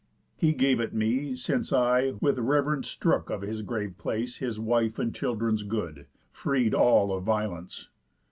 He gave it me, since I (with rev'rence strook Of his grave place, his wife and children's good) Freed all of violence.